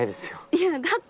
いやだって。